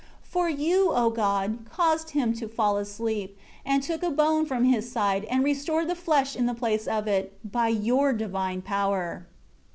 9 For You, O God, caused him to fall asleep, and took a bone from his side, and restored the flesh in the place of it, by Your divine power.